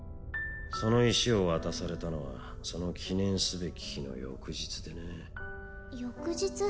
その石を渡されたのはその記念すべき日の翌日でね翌日？